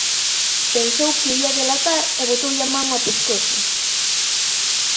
Pensou que o ía delatar e botoulle a man ao pescozo.